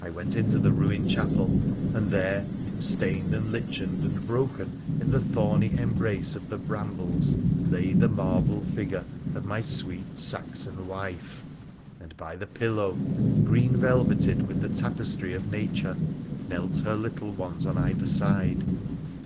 I went into the ruined chapel, and there, stained and lichened and broken, in the thorny embrace of the brambles, lay the marble figure of my sweet PHRA THE PllCENlClAtf 125 Saxon wife, and by the pillow — green velveted with the tapestry of nature — knelt her little ones on either side.